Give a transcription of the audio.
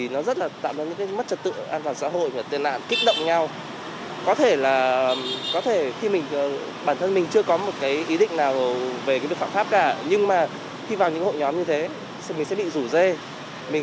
do vậy là các đối tượng đã chuẩn bị công cụ phương tiện